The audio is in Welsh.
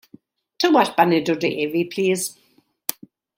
Tywallt banad o de i fi plis.